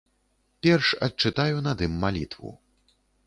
Перш адчытаю над ім малітву.